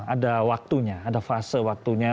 ada waktunya ada fase waktunya